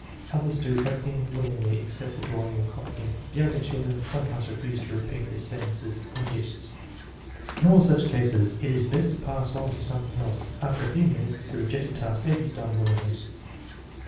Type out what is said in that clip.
Others do everything willingly except the drawing and copying. The younger children sometimes refuse to repeat the sen tences or digits. In all such cases it is best to pass on to something else. After a few TniTmt.es the rejected task may be done willingly.